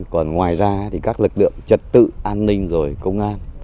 còn ngoài ra thì các lực lượng trật tự an ninh rồi công an